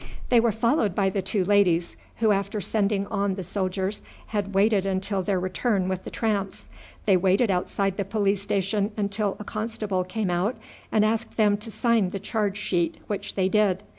They were followed by the two ladies, who after sending on the soldiers had waited until their return with the tramps. They waited outside the police station until a constable came out and asked them to sign the charge sheet, which they did.